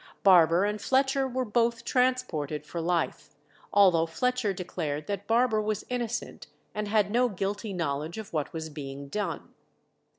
Barber and Fletcher were both transported for life, although Fletcher declared that Barber was innocent, and had no guilty knowledge of what was being done.